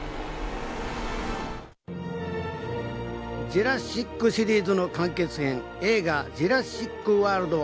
ジュラシックシリーズの完結編、映画『ジュラシック・ワールド／